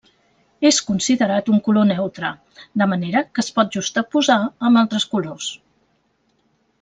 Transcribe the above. És considerat un color neutre, de manera que es pot juxtaposar amb altres colors.